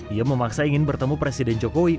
ia memaksa ingin bertemu presiden jokowi